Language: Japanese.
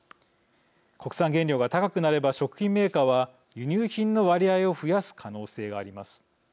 国産原料が高くなれば食品メーカーは輸入品の割合を増やす可能性があります。